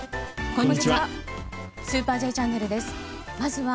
こんにちは。